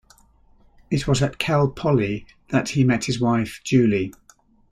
It was at Cal Poly that he met his wife, Julie.